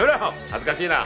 恥ずかしいな！